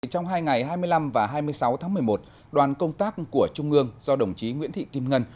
trong hai ngày hai mươi năm và hai mươi sáu tháng một mươi một đoàn công tác của trung ương do đồng chí nguyễn thị kim ngân